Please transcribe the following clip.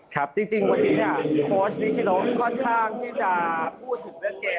จริงวันนี้เนี่ยโค้ชนิชิโนค่อนข้างที่จะพูดถึงเรื่องเกม